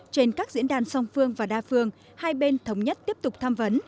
trên các diễn đàn song phương và đa phương hai bên thống nhất tiếp tục tham vấn